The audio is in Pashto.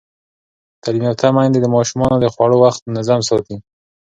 تعلیم یافته میندې د ماشومانو د خوړو وخت منظم ساتي.